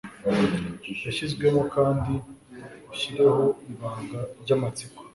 Yashizwemo kandi ushireho ibanga ryamatsiko